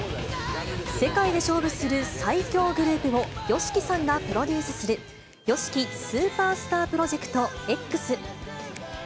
世界で勝負する最強グループをＹＯＳＨＩＫＩさんがプロデュースする、ＹＯＳＨＩＫＩスーパースタープロジェクトＸ。